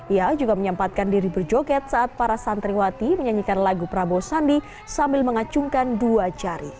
ia juga menyempatkan diri berjoget saat para santriwati menyanyikan lagu prabowo sandi sambil mengacungkan dua jari